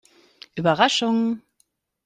Überraschung!